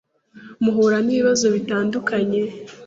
muhura n’ibibazo bitandukanye.